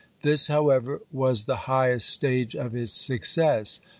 This, how ever, was the highest stage of its success.